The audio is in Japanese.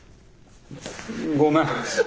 ごめん。